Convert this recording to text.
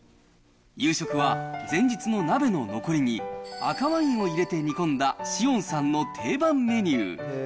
夕食は前日の鍋の残りに、赤ワインを入れて煮込んだ紫苑さんの定番メニュー。